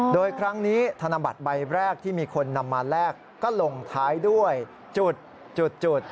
โดยครั้งนี้ธนบัตรใบแรกที่มีคนนำมาแลกก็ลงท้ายด้วยจุด